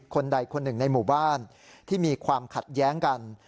คนใดคนหนึ่งในหมู่บ้านที่มีความขัดแย้งกัน